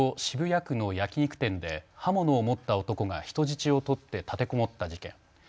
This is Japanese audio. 渋谷区の焼き肉店で刃物を持った男が人質を取って立てこもった事件。